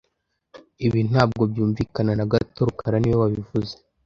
Ibi ntabwo byumvikana na gato rukara niwe wabivuze